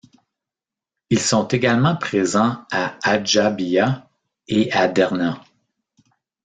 Ils sont également présent à Ajdabiya et à Derna.